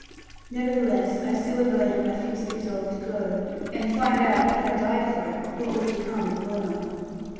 Nevertheless I still abode in my fixed resolve to go, and find out, if I died for it, what was become of Lorna.